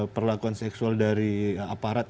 perlakuan seksual dari aparat